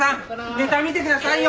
ネタ見てくださいよ！